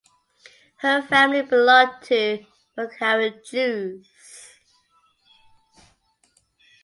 Her family belonged to Bukharan Jews.